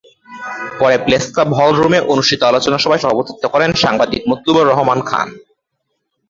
পরে প্রেসক্লাব হলরুমে অনুষ্ঠিত আলোচনা সভায় সভাপতিত্ব করেন সাংবাদিক মতলুবর রহমান খান।